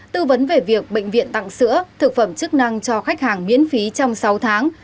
tư vấn về việc bệnh viện tặng sữa thực phẩm chức năng cho khách hàng miễn phí trong sáu tháng